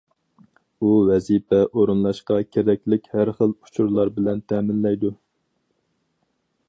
ئۇ ۋەزىپە ئورۇنلاشقا كېرەكلىك ھەر خىل ئۇچۇرلار بىلەن تەمىنلەيدۇ.